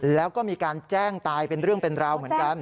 แล้วก็มีการแจ้งตายเป็นเรื่องเป็นราวเหมือนกัน